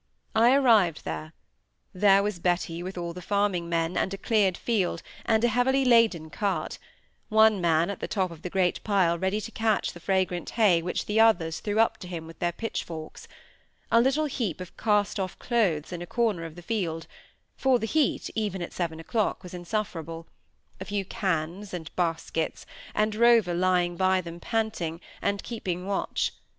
I arrived there: there was Betty with all the farming men, and a cleared field, and a heavily laden cart; one man at the top of the great pile ready to catch the fragrant hay which the others threw up to him with their pitchforks; a little heap of cast off clothes in a corner of the field (for the heat, even at seven o"clock, was insufferable), a few cans and baskets, and Rover lying by them panting, and keeping watch.